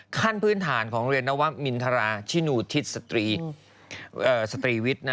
ขั้นพื้นฐานของเรียนนวมินทราชินูทิศตรีวิทย์